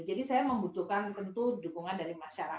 jadi saya membutuhkan tentu dukungan dari masyarakat